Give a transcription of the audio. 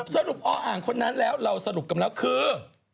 สรุปอ๋ออ่างคนแล้วเราสรุปหลังแล้วคือ